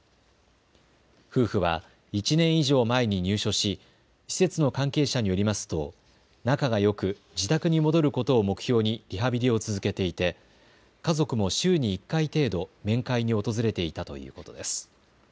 夫婦は１年以上前に入所し施設の関係者によりますと仲がよく、自宅に戻ることを目標にリハビリを続けていて家族も週に１回程度、面会に訪れていたということです。